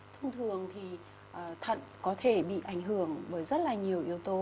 thông thường thì thận có thể bị ảnh hưởng bởi rất là nhiều yếu tố